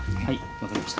分かりました。